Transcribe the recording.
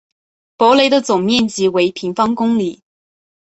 博雷的总面积为平方公里。